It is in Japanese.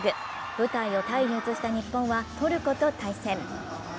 舞台をタイに移した日本はトルコと対戦。